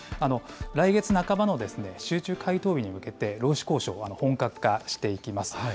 来月半ばの集中回答日に向けて労使交渉が本格化していきます。